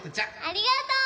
ありがとう！